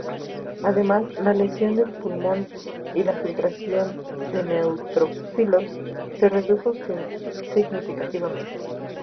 Además la lesión del pulmón y la filtración de neutrófilos se redujo significativamente.